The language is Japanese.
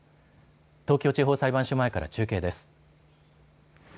東京地方裁判所前から中継です。